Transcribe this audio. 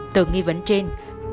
tờ nghi vấn trên